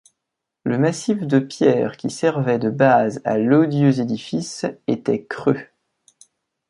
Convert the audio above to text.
Le massif de pierre qui servait de base à l’odieux édifice était creux.